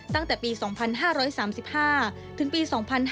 ตั้งแต่ปี๒๕๓๕ถึงปี๒๕๕๙